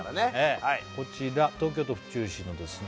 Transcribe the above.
こちら東京都府中市のですね